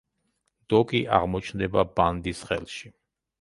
დოკი აღმოჩნდება ბანდის ხელში.